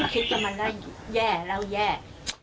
คิดกับมันแล้วแย่แล้วแย่